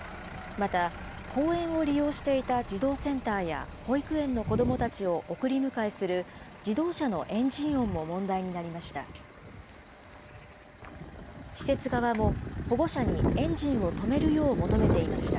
また公園を利用していた児童センターや保育園の子どもたちを送り迎えする自動車のエンジン音も問題になりました。